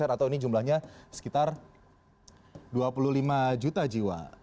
atau ini jumlahnya sekitar dua puluh lima juta jiwa